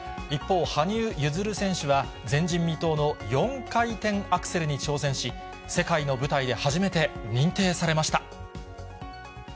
一方、羽生結弦選手は、前人未到の４回転アクセルに挑戦し、世界の舞台で初めて認定されました。